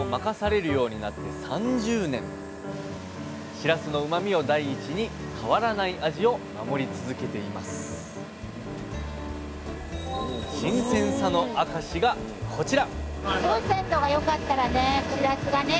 しらすのうまみを第一に変わらない味を守り続けていますこちら！